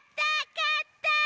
かった！